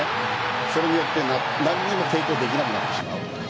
それによって何も抵抗できなくなってしまう。